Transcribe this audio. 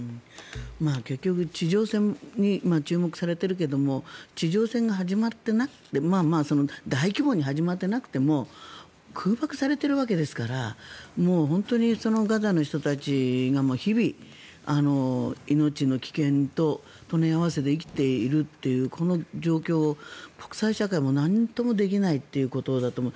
結局、地上戦に注目されているけども地上戦が始まってなくて大規模に始まってなくても空爆されているわけですからもう本当にガザの人たちが日々、命の危険と隣り合わせで生きているというこの状況を、国際社会もなんともできないっていうことだと思う。